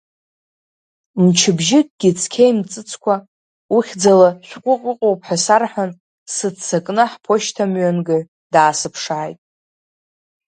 Мчыбжьыкгьы цқьа имҵыцкәа, ухьӡала шәҟәык ыҟоуп ҳәа сарҳәан, сыццакны ҳԥошьҭамҩангаҩ даасыԥшааит.